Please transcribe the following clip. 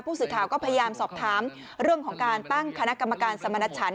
สื่อก็พยายามสอบถามเรื่องของการตั้งคณะกรรมการสมณชัน